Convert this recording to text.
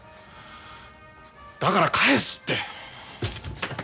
だから帰すって！